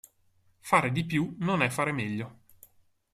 Fare di più non è fare meglio.